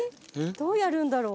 どうやるんだろう？